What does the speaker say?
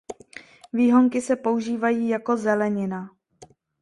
Výhonky se používají jako zelenina.